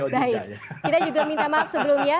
baik kita juga minta maaf sebelumnya